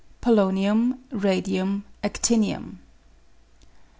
Polonium, Radium, Actinium.